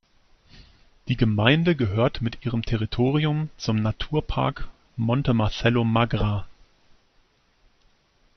Die Gemeinde gehört mit ihrem Territorium zum Naturpark Montemarcello-Magra.